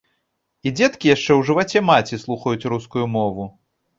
І дзеткі яшчэ ў жываце маці слухаюць рускую мову.